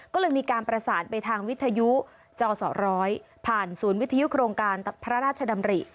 ก็เลยมีการประสานไปทางวิทยุจสร้อยผ่านศูนย์วิทยุโครงการพระราชดำริ